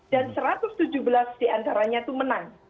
dan satu ratus tujuh belas diantaranya itu menang